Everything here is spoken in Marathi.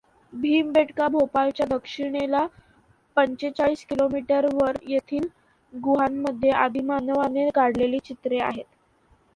भीमबेटका भोपाळच्या दक्षिणेला पंचेचाळीस किलोमीटरवर येथील गुहांमध्ये आदिमानवाने काढलेली चित्रे आहेत.